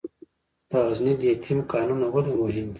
د غزني لیتیم کانونه ولې مهم دي؟